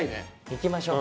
行きましょう。